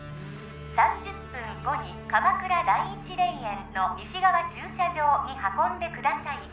３０分後に鎌倉第一霊園の西側駐車場に運んでください